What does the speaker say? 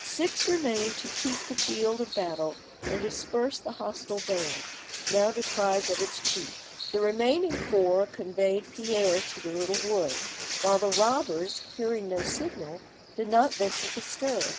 Six remained to keep the field of battle and disperse the hostile band, now deprived of its chief; the remaining four conveyed Pierre to the little wood, while the robbers, hearing no signal, did not venture to stir.